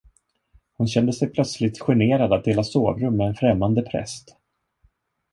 Hon kände sig plötsligt generad att dela sovrum med en främmande präst.